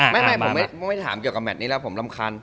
ไม่ผมไม่ถามเกี่ยวกับแมทนี้แล้วผมรำคาญ